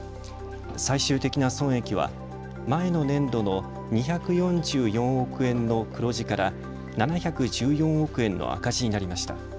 最終的な損益は前の年度の２４４億円の黒字から７１４億円の赤字になりました。